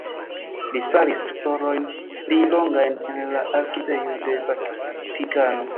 Li faris esplorojn pli longajn en la arkivejo de Vatikano.